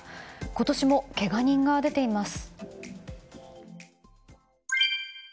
今年もけが人が出ています。